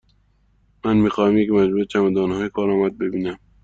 من می خواهم یک مجموعه چمدانهای کارآمد ببینم.